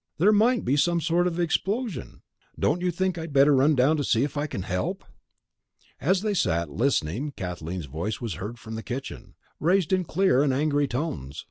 There might be some sort of explosion don't you think I had better run down to see if I can help?" As they sat listening Kathleen's voice was heard from the kitchen, raised in clear and angry tones.